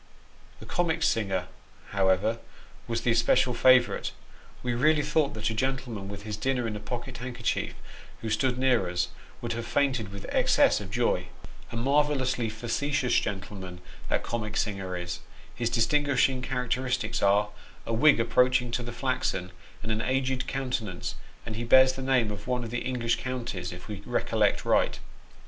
The comic singer, however, was the especial favourite ; we really thought that a gentleman, with his dinner in a pocket handkerchief, who stood near us, would have fainted with excess of joy. A marvellously facetious gentleman that comic singer is ; his dis Disenchantment. 95 tinguishing characteristics are, a wig approaching to the flaxen, and an aged countenance, and he bears the name of one of the English counties, if we recollect right.